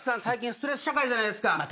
最近ストレス社会じゃないですか。